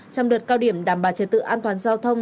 trong đợt cao điểm đảm bảo trật tự an toàn giao thông